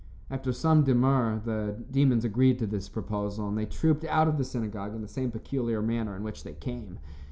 After some demur, the demons agreed to this proposal, and they trooped out of the synagogue in the same peculiar manner in which they came.